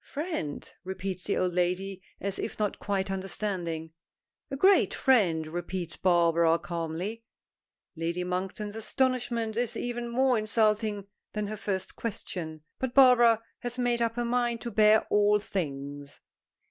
"Friend?" repeats the old lady, as if not quite understanding. "A great friend," repeats Barbara calmly. Lady Monkton's astonishment is even more insulting than her first question. But Barbara has made up her mind to bear all things.